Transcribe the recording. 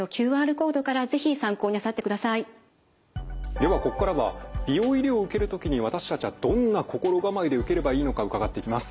ではここからは美容医療を受ける時に私たちはどんな心構えで受ければいいのか伺っていきます。